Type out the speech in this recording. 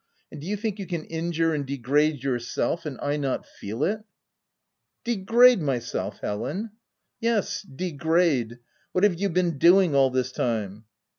And do you think you can injure and degrade yourself, and I not feel it ?"" Degrade myself, Helen }' 9 " Yes, degrade ! What have you been doing all this time